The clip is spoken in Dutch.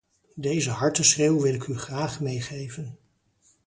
Deze harteschreeuw wil ik u graag meegeven.